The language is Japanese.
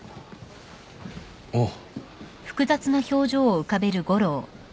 おう。